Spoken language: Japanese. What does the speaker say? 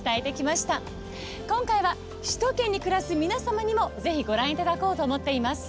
今回は首都圏に暮らす皆様にもぜひご覧頂こうと思っています。